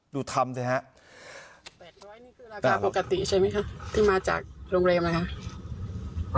ดูทำสิฮะแปดร้อยนี่คือราคาปกติใช่ไหมครับที่มาจากโรงเรียมนะฮะ